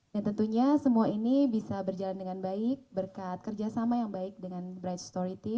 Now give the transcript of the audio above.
dan tentunya semua ini bisa berjalan dengan baik berkat kerjasama yang baik dengan bright story team